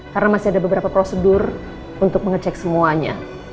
karena masih ada beberapa prosedur untuk mengecek semuanya